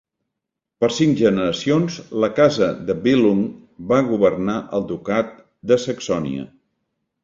Per cinc generacions, la casa de Billung va governar el Ducat de Saxònia.